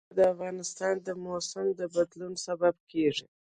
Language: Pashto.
ځنګلونه د افغانستان د موسم د بدلون سبب کېږي.